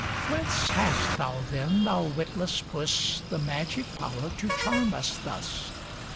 Whence hast thou then, thou witless puss! The magic power to charm us thus?